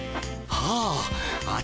ああ